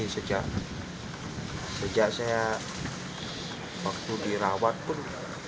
sama sekali sejak saya waktu dirawat pun